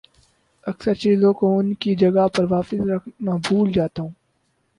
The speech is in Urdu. اکثر چیزوں کو ان کی جگہ پر واپس رکھنا بھول جاتا ہوں